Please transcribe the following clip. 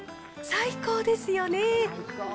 最高ですよね。